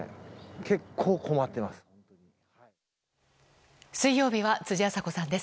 結構困ってます。